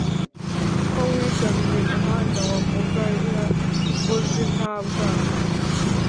ko wigabiye muhanda wa mugaya-mbuzi nta bwato